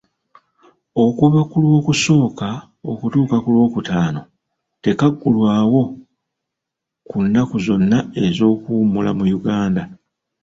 Okuva ku Lwokusooka okutuuka ku Lwokutaano, tekaggulwawo ku nnaku zonna ez'okuwummula mu Uganda.